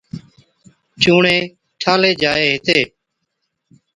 چُوڻي ٺالھي جائي ھِتي